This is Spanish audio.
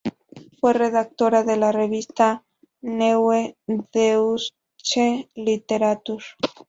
Fue redactora de la revista "neue deutsche literatur".